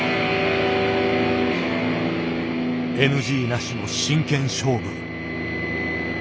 ＮＧなしの真剣勝負。